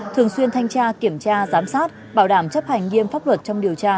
thường xuyên thanh tra kiểm tra giám sát bảo đảm chấp hành nghiêm pháp luật trong điều tra